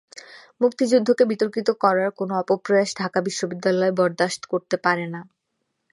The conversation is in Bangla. মুক্তিযুদ্ধকে বিতর্কিত করার কোনো অপপ্রয়াস ঢাকা বিশ্ববিদ্যালয় বরদাশত করতে পারে না।